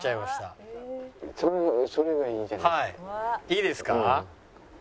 いいですか？